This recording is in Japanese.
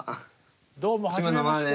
どうもはじめまして。